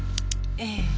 ええ。